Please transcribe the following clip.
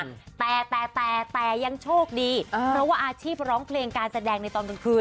แต่แต่แต่แต่ยังโชคดีเออเพราะว่าอาชีพร้องเพลงการแสดงในตอนกลางคืน